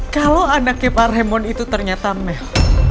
kalau anaknya pak remot itu ternyata mel